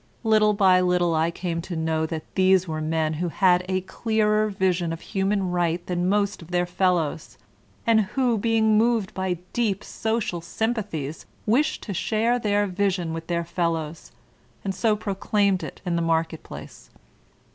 Little by little I came to know that these were men who had a clearer vision of human right than most of their fel lows; and who, being moved by deep social sympathies, wished to share their vision with their fellows, and so proclaimed it in the market place.